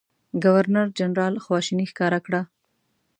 ګورنرجنرال خواشیني ښکاره کړه.